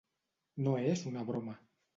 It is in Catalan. No és una broma.